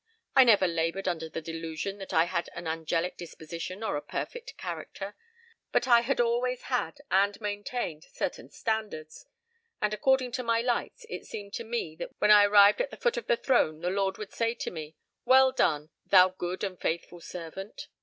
I never labored under the delusion that I had an angelic disposition or a perfect character, but I had always had, and maintained, certain standards; and, according to my lights, it seemed to me that when I arrived at the foot of the throne the Lord would say to me 'Well done, thou good and faithful servant.'